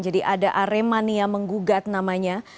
jadi ada aremania menggugat namanya